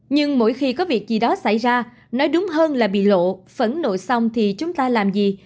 nhưng mỗi khi có việc gì đó xảy ra nói đúng hơn là bị lộ phẫn nội xong thì chúng ta làm gì